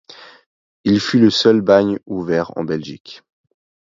Il fut le seul bagne ouvert en Belgique.